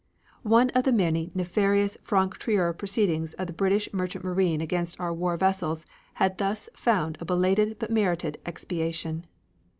One of the many nefarious franc tireur proceedings of the British merchant marine against our war vessels has thus found a belated but merited expiation.